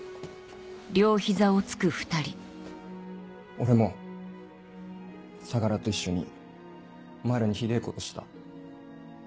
俺も相楽と一緒にお前らにひでぇことした。